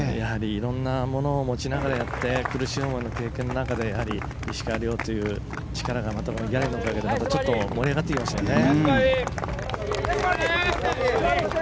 いろいろなものを持ちながらやって苦しい経験の中で石川遼という力がギャラリーのおかげで盛り上がってきましたね。